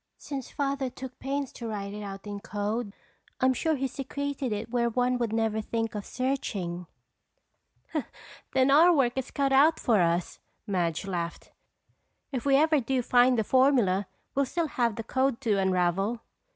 Since Father took pains to write it out in code, I'm sure he secreted it where one would never think of searching." "Then our work is cut out for us," Madge laughed. "If we ever do find the formula we'll still have the code to unravel."